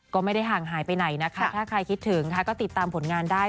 ก็ไม่ได้ห่างหายไปไหนนะคะถ้าใครคิดถึงค่ะก็ติดตามผลงานได้